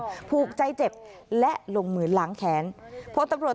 หน้าผู้หลักผู้ใหญ่ในจังหวัดคาดว่าไม่คนใดคนหนึ่งนี่แหละนะคะที่เป็นคู่อริเคยทำรักกายกันมาก่อน